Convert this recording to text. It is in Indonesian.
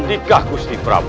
sendikah gusti prabu